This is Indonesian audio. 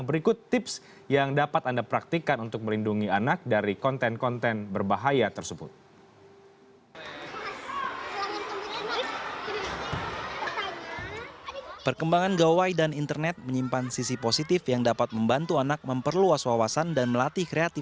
berikut tips yang dapat anda praktikan untuk melindungi anak dari konten konten berbahaya tersebut